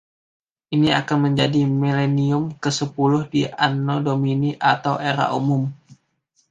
Ini akan menjadi milenium kesepuluh di Anno Domini atau Era Umum.